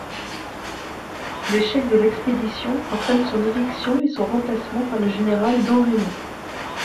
L'échec de l'expédition entraîne son éviction et son remplacement par le général Damrémont.